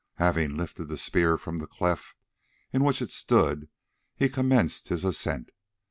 Having lifted the spear from the cleft in which it stood, he commenced his ascent.